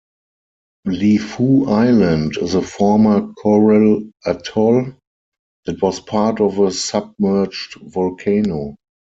Lifou Island is a former coral atoll that was part of a submerged volcano.